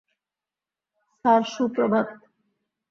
Sir, Suprabhat.